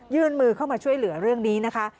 ยื่นมือเข้ามาช่วยเหลือเรื่องนี้นะคะ